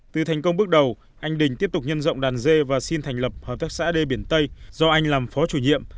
từ thành công bước đầu anh đình tiếp tục nhân rộng đàn dê và xin thành lập hợp tác xã đê biển tây do anh làm phó chủ nhiệm